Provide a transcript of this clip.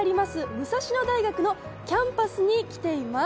武蔵野大学のキャンパスに来ています。